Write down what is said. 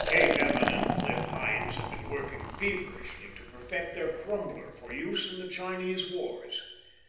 Kay Bevan and Cliff Hynes had been working feverishly to perfect their Crumbler for use in the Chinese wars.